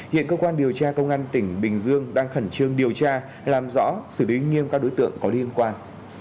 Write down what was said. hiện cơ quan điều tra công an tỉnh bình dương đang khẩn trương điều tra làm rõ xử lý nghiêm các đối tượng có liên quan